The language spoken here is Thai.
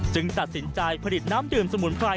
ตัดสินใจผลิตน้ำดื่มสมุนไพร